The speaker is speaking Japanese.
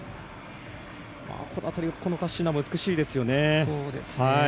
この辺り、このカッシーナも美しいですよね。